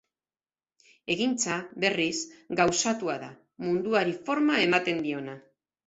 Egintza, berriz, gauzatua da, munduari forma ematen diona.